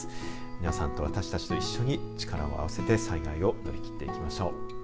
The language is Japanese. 皆さんと私たちと一緒に力を合わせて災害を乗り切っていきましょう。